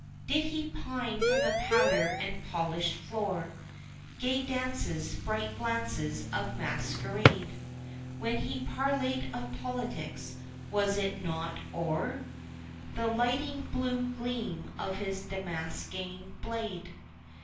Did he pine for the powder and polished floor, Gay dances, bright glances of masquerade? When he parleyed of politics, was it not o'er The lightning blue gleam of his Damascene blade?